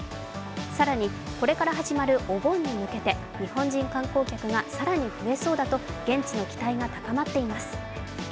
更にこれから始まるお盆に向けて日本人観光客が更に増えそうだと現地の期待が高まっています。